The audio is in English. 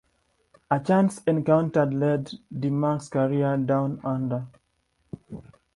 A chance encounter led D-Mac's career Down Under.